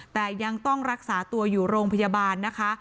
แต่ยังต้องรักษาตัวอยู่โรงพยาบาลนะคะ